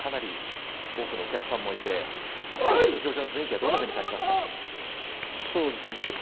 かなり多くのお客さんもいて土俵上の雰囲気はどんなふうに感じましたか？